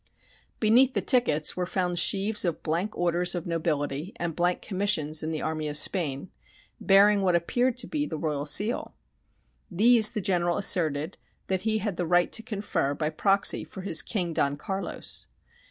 Beneath the tickets were found sheaves of blank orders of nobility and blank commissions in the army of Spain, bearing what appeared to be the royal seal. These the General asserted that he had the right to confer, by proxy, for his "King Don Carlos."